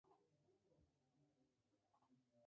Mortadelo y Filemón deben capturar a un cazador furtivo.